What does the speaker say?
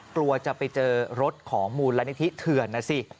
กลัวจะไปเจอรถของมูลนิธิเถื่อนนะสิ